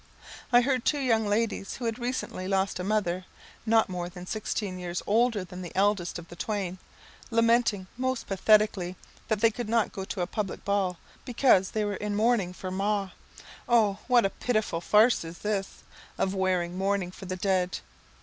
I heard two young ladies, who had recently lost a mother, not more than sixteen years older than the eldest of the twain, lamenting most pathetically that they could not go to a public ball, because they were in mourning for ma'! Oh, what a pitiful farce is this, of wearing mourning for the dead!